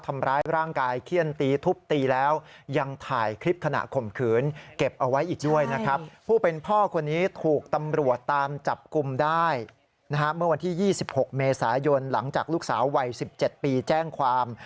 เมื่อวันที่๒๖เมษายนหลังจากลูกสาววัย๑๗ปีแจ้งความ